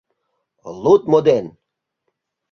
Лудмо ден.